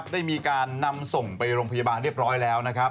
ได้มีการนำส่งไปโรงพยาบาลเรียบร้อยแล้ว